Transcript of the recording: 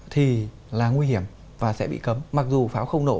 thì là nguy hiểm và sẽ bị cấm mặc dù pháo không nổ